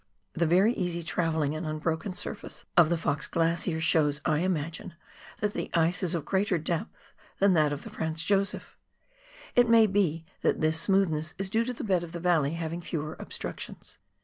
The very easy travelling and unbroken surface of the Fox Glacier shows, I imagine, that the ice is of greater depth than that of the Franz Josef ; it may be that this smoothness is due to the bed of the valley having fewer obstructions.